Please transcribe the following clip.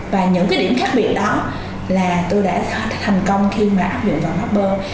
và những cái điểm khác biệt đó là tôi đã thành công khi mà áp dụng vào apper